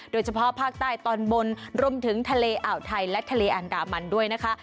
โดยเฉพาะภาคใต้ตอนบนรวมถึงทะเลอ่าวไทยและทะเลอันดามันด้วยนะคะ